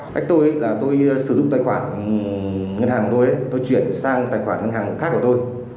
cách tôi là tôi sử dụng tài khoản ngân hàng của tôi tôi chuyển sang tài khoản ngân hàng khác của tôi